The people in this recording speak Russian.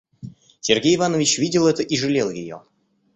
Сергей Иванович видел это и жалел ее.